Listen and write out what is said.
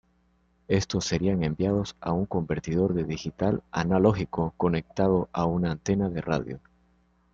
Estos serían enviados a un convertidor de digital-analógico conectado a una antena de radio.